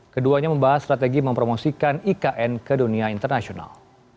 keduanya membahas strategi mempromosikan ikn ke dunia internasional